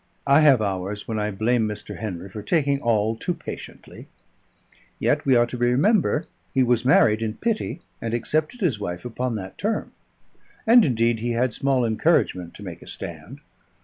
I have hours when I blame Mr. Henry for taking all too patiently; yet we are to remember he was married in pity, and accepted his wife upon that term. And, indeed, he had small encouragement to make a stand.